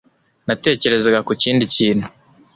Natekerezaga ku kindi kintu.